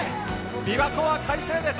びわ湖は快晴です。